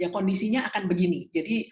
kondisinya akan begini jadi